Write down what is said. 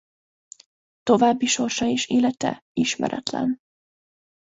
További sorsa és élete ismeretlen.